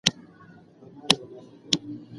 مرغۍ د یوې تندې په خاطر ډېره سخته جزا ولیده.